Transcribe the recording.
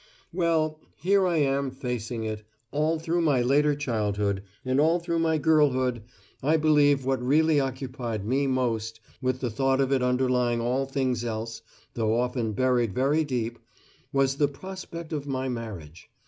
"Well, here I am facing it: all through my later childhood, and all through my girlhood, I believe what really occupied me most with the thought of it underlying all things else, though often buried very deep was the prospect of my marriage.